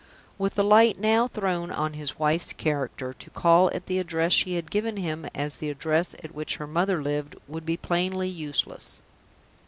With the light now thrown on his wife's character, to call at the address she had given him as the address at which her mother lived would be plainly useless.